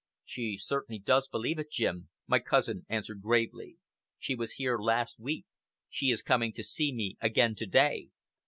"She certainly does believe it, Jim," my cousin answered gravely. "She was here last week she is coming to see me again to day."